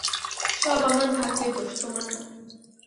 সব আমার ভাগ্যের দোষ, তোমার না।